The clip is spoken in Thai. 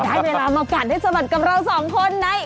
ได้เวลามาบอกกันให้สมัครกับหลำสองคนใน